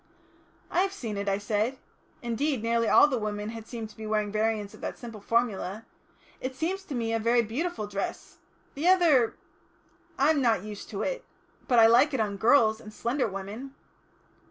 "I have seen it," I said. Indeed, nearly all the women had seemed to be wearing variants of that simple formula. "It seems to me a very beautiful dress. The other I'm not used to. But I like it on girls and slender women."